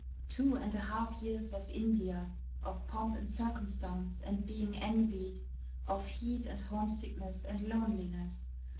Two and a half years of India, of pomp and circumstance and being envied, of heat and homesickness and loneliness.